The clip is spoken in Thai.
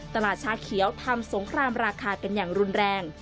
ชาเขียวทำสงครามราคากันอย่างรุนแรง